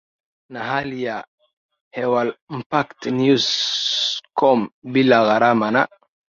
na Hali ya hewaImpactNews com bila gharama na